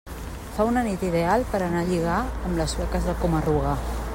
Fa una nit ideal per anar a lligar amb les sueques a Coma-ruga.